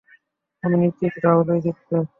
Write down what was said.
আমি নিশ্চিত রাহুলই জিতবে।